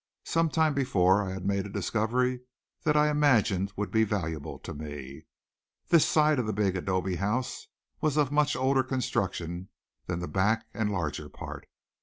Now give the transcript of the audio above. Some time before I had made a discovery that I imagined would be valuable to me. This side of the big adobe house was of much older construction than the back and larger part.